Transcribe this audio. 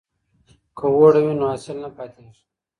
که اوړی وي نو حاصل نه پاتیږي.